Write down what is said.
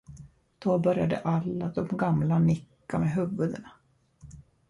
Då började alla de gamla nicka med huvudena.